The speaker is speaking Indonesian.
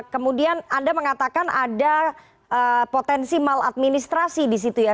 kemudian anda mengatakan ada potensi maladministrasi di situ ya